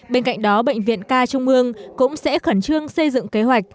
bên cạnh đó bệnh viện ca trung ương cũng sẽ khẩn trương xây dựng kế hoạch